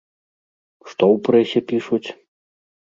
Што ў прэсе пішуць?